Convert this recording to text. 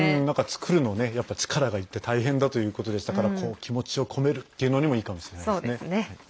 作るのね、やっぱり力がいって大変だということでしたから気持ちを込めるっていうのにもいいかもしれないですね。